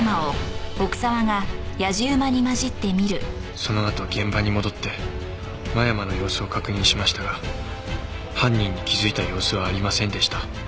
そのあと現場に戻って間山の様子を確認しましたが犯人に気づいた様子はありませんでした。